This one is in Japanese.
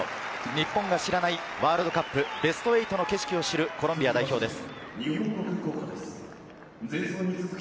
日本が知らないワールドカップ・ベスト８の景色を知るコロンビア代表です。